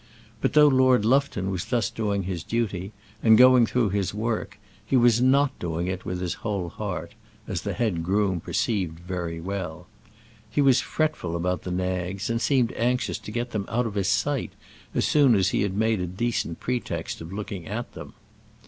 But though Lord Lufton was thus doing his duty, and going through his work, he was not doing it with his whole heart, as the head groom perceived very well. He was fretful about the nags, and seemed anxious to get them out of his sight as soon as he had made a decent pretext of looking at them.